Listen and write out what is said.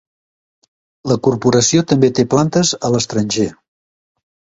La corporació també té plantes a l'estranger.